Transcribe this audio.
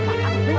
goebel angkat dia